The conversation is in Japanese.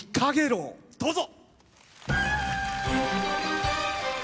どうぞ。